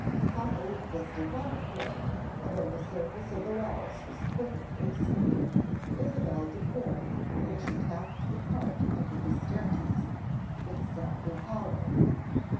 Happily this did not occur, and though the surface of the walls was perfectly smooth, Isabelle declared that when she tapped the part under the staircase it sounded hollow.